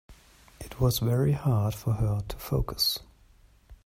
It was very hard for her to focus.